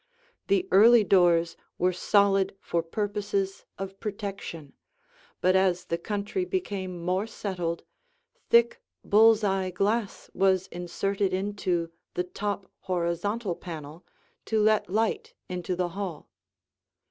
The early doors were solid for purposes of protection, but as the country became more settled, thick bull's eye glass was inserted into the top horizontal panel to let light into the hall.